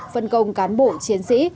phân công cán bộ chiến sĩ